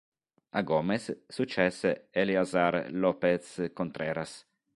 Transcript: A Gomez successe Eleazar López Contreras.